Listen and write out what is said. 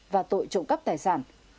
và tội trộm cắp tài sản